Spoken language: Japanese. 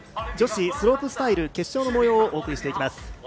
女子スロープスタイル決勝のもようをお送りしていきます。